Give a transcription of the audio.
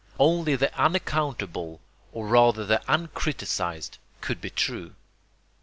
Only the unaccountable, or rather the uncriticised, could be true.